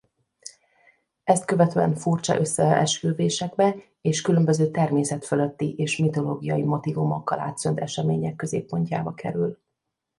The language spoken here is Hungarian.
Ezt követően furcsa összeesküvésekbe és különböző természetfölötti és mitológiai motívumokkal átszőtt események középpontjába kerül.